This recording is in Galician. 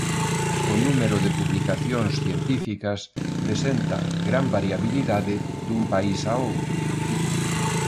O número de publicacións científicas presenta gran variabilidade dun país a outro.